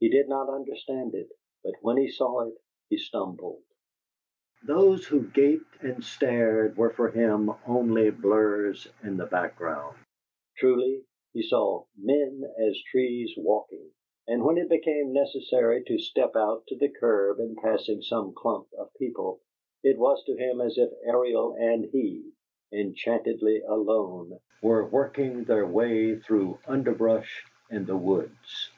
He did not understand it, but when he saw it he stumbled. Those who gaped and stared were for him only blurs in the background; truly, he saw "men as trees walking"; and when it became necessary to step out to the curb in passing some clump of people, it was to him as if Ariel and he, enchantedly alone, were working their way through underbrush in the woods.